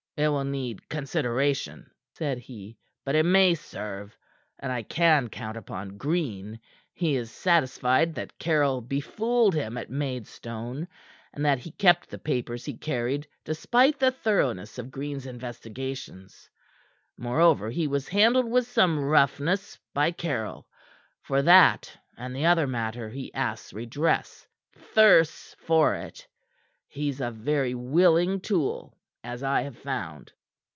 "It will need consideration," said he. "But it may serve, and I can count upon Green. He is satisfied that Caryll befooled him at Maidstone, and that he kept the papers he carried despite the thoroughness of Green's investigations. Moreover, he was handled with some roughness by Caryll. For that and the other matter he asks redress thirsts for it. He's a very willing tool, as I have found."